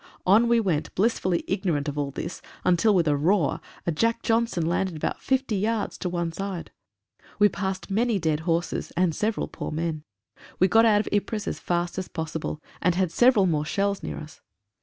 On we went blissfully ignorant of all this until with a roar, a "Jack Johnson," landed about fifty yards to one side. We passed many dead horses, and several poor men. We got out of Ypres as fast as posible, and had several more shells near us.